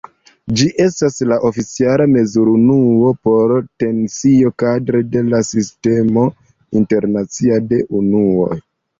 Ĝi estas la oficiala mezurunuo por tensio kadre de la Sistemo Internacia de Unuoj.